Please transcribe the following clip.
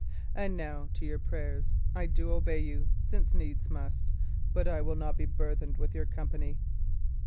And now to your prayers. I do obey you, since needs must; but I will not be burthened with your company."